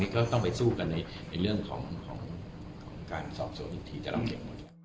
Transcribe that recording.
ก็ต้องไปสู้กันในเรื่องของการสอบโสดอีกที